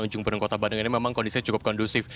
ujung berung kota bandung ini memang kondisinya cukup kondusif